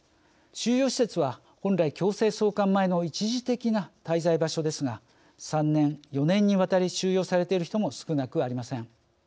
収容施設は本来、強制送還前の一時的な滞在場所ですが３年、４年にわたり収容されている人も少なくありません。